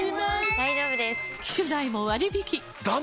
大丈夫です！